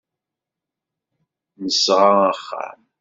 Nesɣa axxam.